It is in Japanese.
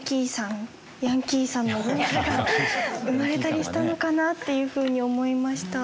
ヤンキーさんが生まれたりしたのかな？っていうふうに思いました。